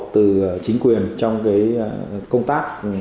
từ chính quyền trong công tác